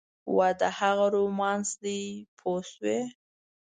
واده هغه رومانس دی پوه شوې!.